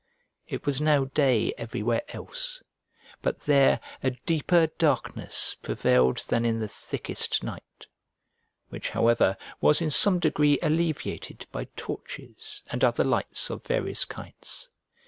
It was now day everywhere else, but there a deeper darkness prevailed than in the thickest night; which however was in some degree alleviated by torches and other lights of various kinds.